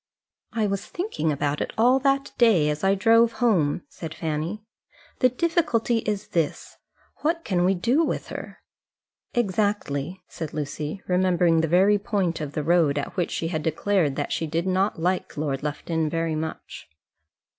"I was thinking about it all that day as I drove home," said Fanny. "The difficulty is this: What can we do with her?" "Exactly," said Lucy, remembering the very point of the road at which she had declared that she did like Lord Lufton very much.